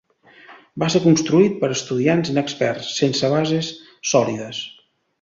Va ser construït per estudiants inexperts, sense bases sòlides.